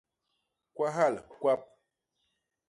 Kwahal kwap.